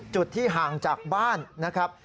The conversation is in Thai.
จุดที่ห่างจากบ้านนะครับ